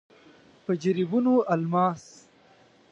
په جريبونو الماس.